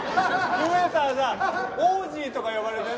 梅さんが「オージー」とか呼ばれてね。